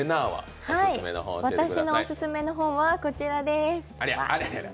私のおすすめの本はこちらです。